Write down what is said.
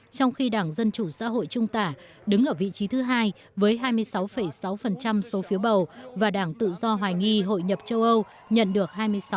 trong khi đảng dân chủ xã hội trung tả đứng ở vị trí thứ hai với hai mươi sáu sáu số phiếu bầu và đảng tự do hoài nghi hội nhập châu âu nhận được hai mươi sáu